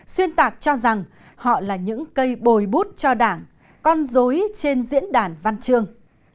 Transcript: xuyên tạc cho rằng họ là những cây bồi bút cho đảng con dối trên diễn đàn văn trương